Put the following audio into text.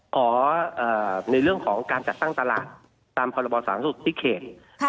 ขอเอ่อในเรื่องของการจัดตั้งตลาดตามสถานทรัพย์สูตรที่เขตครับ